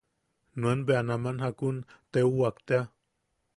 Nuen bea naman jakun teuwak tea.